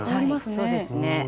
そうですね。